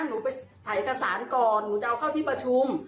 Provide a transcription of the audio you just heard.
หนูไปถ่ายกษานก่อนหนูจะไปเข้าพิธีประชุม